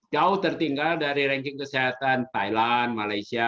jauh tertinggal dari ranking kesehatan thailand malaysia